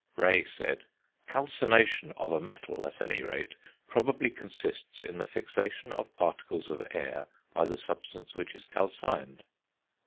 Rey said: calcination, of a metal at anyrate, probably consists in the fixation of particles of air by the substance which is calcined.